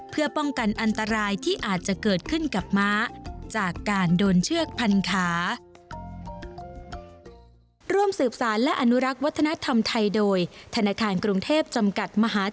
เพื่อป้องกันอันตรายที่อาจจะเกิดขึ้นกับม้าจากการโดนเชือกพันขา